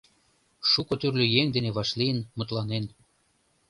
Шуко тӱрлӧ еҥ дене вашлийын, мутланен.